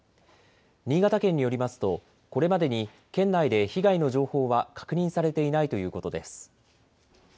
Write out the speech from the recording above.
新潟県によりますと、これまでに県内で被害の情報は確認されていないということです。